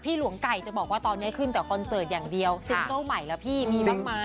หลวงไก่จะบอกว่าตอนนี้ขึ้นแต่คอนเสิร์ตอย่างเดียวซิงเกิ้ลใหม่แล้วพี่มีบ้างไหม